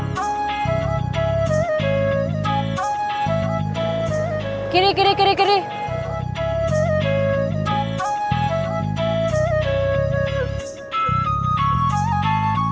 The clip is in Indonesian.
setelah itu perhatikan baik baik apa yang kami lakukan